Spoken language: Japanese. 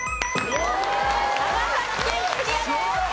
長崎県クリアです。